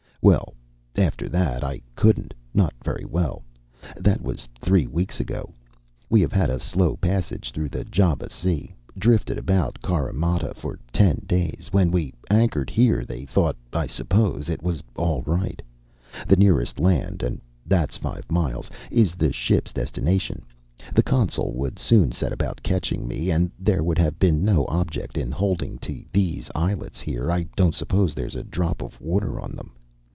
"Well after that, I couldn't. Not very well. That was three weeks ago. We have had a slow passage through the Java Sea; drifted about Carimata for ten days. When we anchored here they thought, I suppose, it was all right. The nearest land (and that's five miles) is the ship's destination; the consul would soon set about catching me; and there would have been no object in holding to these islets there. I don't suppose there's a drop of water on them.